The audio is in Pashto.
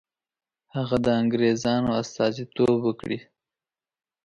هغه د انګرېزانو استازیتوب وکړي.